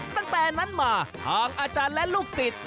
ตั้งแต่นั้นมาทางอาจารย์และลูกศิษย์